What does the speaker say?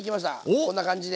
こんな感じで。